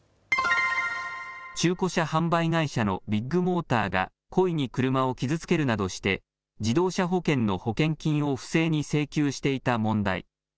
中古車販売会社のビッグモーターが、故意に車を傷つけるなどして、自動車保険の保険金を不正に請求していた問題。